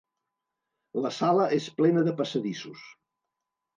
La sala és plena de passadissos.